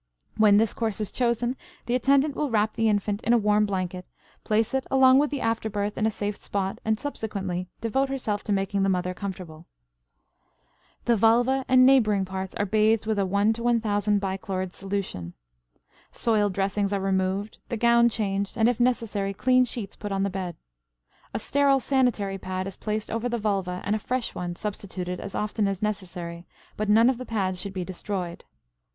When this course is chosen the attendant will wrap the infant in a warm blanket, place it along with the after birth in a safe spot, and subsequently devote herself to making the mother comfortable. The vulva and neighboring parts are bathed with a 1 1000 bichlorid solution. Soiled dressings are removed, the gown changed, and, if necessary, clean sheets put on the bed. A sterile sanitary pad is placed over the vulva and a fresh one substituted as often as necessary, but none of the pads should be destroyed.